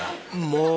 ［もう］